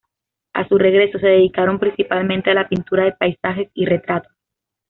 A su regreso, se dedicaron, principalmente, a la pintura de paisajes y retratos.